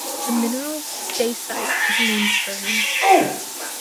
The mineral steacyite is named for him.